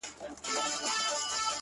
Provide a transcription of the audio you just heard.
كله’ناكله غلتيږي څــوك غوصه راځـي’